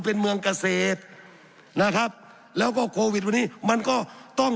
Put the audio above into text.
เป็นเมืองเกษตรนะครับแล้วก็โควิดวันนี้มันก็ต้อง